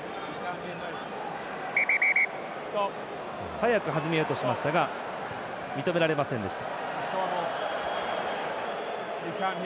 早く始めようとしましたが認められませんでした。